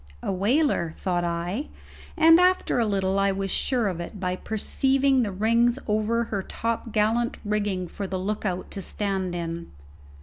A whaler, thought I; and after a little I was sure of it by perceiving the rings over her top gallant rigging for the look out to stand in.